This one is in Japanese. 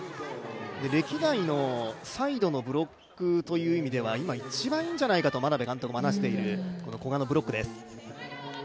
歴代のサイドのブロックという意味では今、一番いいんじゃないかと眞鍋監督も話しているブロックです。